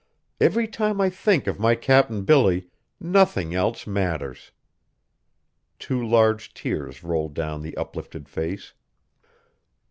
Every time I think of my Cap'n Billy, nothing else matters!" Two large tears rolled down the uplifted face.